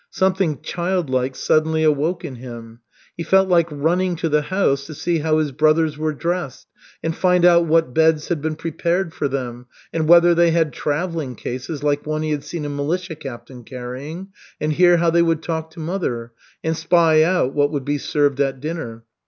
Something childlike suddenly awoke in him. He felt like running to the house to see how his brothers were dressed, and find out what beds had been prepared for them, and whether they had travelling cases like one he had seen a militia captain carrying, and hear how they would talk to mother, and spy out what would be served at dinner.